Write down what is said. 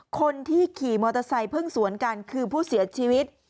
คนที่ขี่มอเตอร์ไซค์เพิ่งสวนกันคือผู้เสียชีวิต